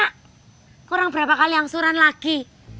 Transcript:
kurang berapa kali angsuran lagi